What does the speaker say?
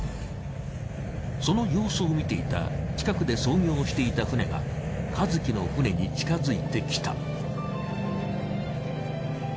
その様子を見ていた近くで操業していた船が和喜の船に近づいてきた。